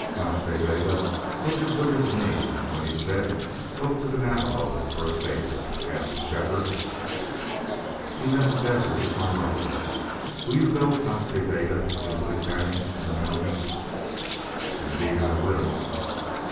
"Nas Ta Bega, what did Withers mean when he said go to the Navajo for a faith?" asked Shefford. "He meant the desert is my mother.... Will you go with Nas Ta Bega into the cañon and the mountains?" "Indeed I will."